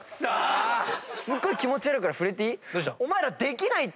すっごい気持ち悪いから触れていい？